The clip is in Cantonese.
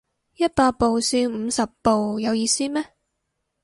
一百步笑五十步有意思咩